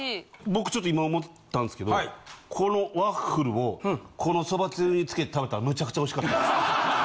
僕ちょっと今思ったんすけどこのワッフルをこのそばつゆにつけて食べたらむちゃくちゃ美味しかったです。